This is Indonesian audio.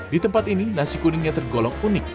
di tempat ini nasi kuningnya tergolong unik